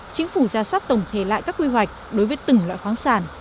chính phủ ra soát tổng thể lại các quy hoạch đối với từng loại khoáng sản